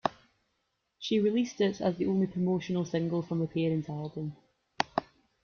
She released it as the only promotional single from the parent album.